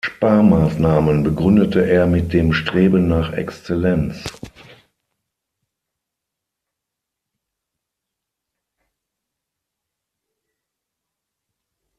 Sparmaßnahmen begründete er mit dem Streben nach Exzellenz.